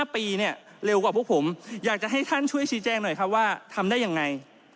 ๕ปีเนี่ยเร็วกว่าพวกผมอยากจะให้ท่านช่วยชี้แจ้งหน่อยครับว่าทำได้ยังไง